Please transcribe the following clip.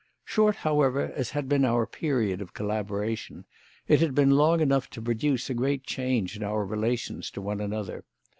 Short, however, as had been the period of our collaboration, it had been long enough to produce a great change in our relations to one another.